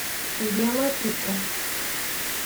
Idioma turco